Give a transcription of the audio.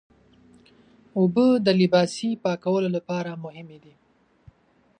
اوبه د لباسي پاکولو لپاره مهمې دي.